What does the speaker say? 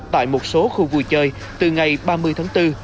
tại một số khu vui chơi từ ngày ba mươi tháng bốn